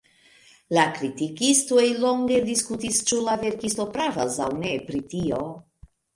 La kritikistoj longe diskutis, ĉu la verkisto pravas aŭ ne pri tio.